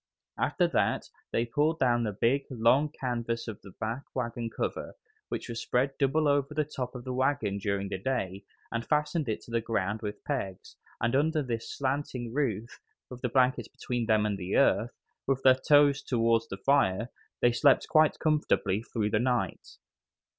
After that they pulled down the big, long canvas back of the wagon cover, which was spread double over the top of the wagon during the day, and fastened it to the ground with pegs, and under this slanting roof, with their blankets between them and the earth, with their toes towards the fire, they slept quite comfortably through the night.